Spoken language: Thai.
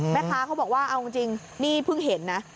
แม่ค้าเขาบอกว่าเอาจริงนี่เพิ่งเห็นนะ